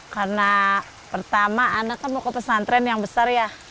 karena pertama anak kan mau ke pesantren yang besar ya